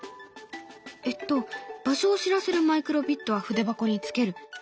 えっと場所を知らせるマイクロビットは筆箱につける。